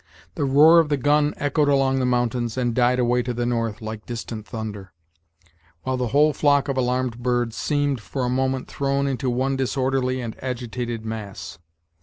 The roar of the gun echoed along the mountains, and died away to the north, like distant thunder, while the whole flock of alarmed birds seemed, for a moment, thrown into one disorderly and agitated mass.